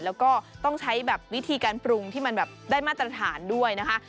แล้วก็ต้องใช้แบบวิธีการปรุงที่มันแบบได้มาตรฐานด้วยนะคะ